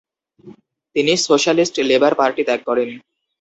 তিনি socialist labour party ত্যাগ করেন।